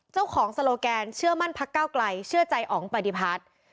โซโลแกนเชื่อมั่นพักเก้าไกลเชื่อใจอ๋องปฏิพัฒน์